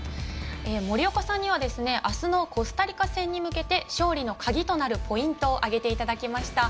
森岡さんには明日のコスタリカ戦に向けて勝利の鍵となるポイントを挙げていただきました。